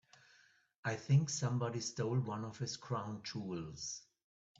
I think somebody stole one of his crown jewels.